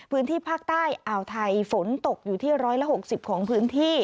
พื้นที่ภาคใต้อ่าวไทยฝนตกอยู่ที่๑๖๐ของพื้นที่